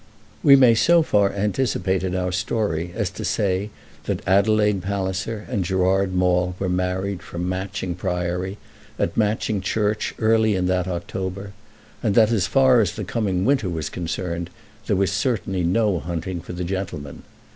We may so far anticipate in our story as to say that Adelaide Palliser and Gerard Maule were married from Matching Priory at Matching Church early in that October, and that as far as the coming winter was concerned, there certainly was no hunting for the gentleman.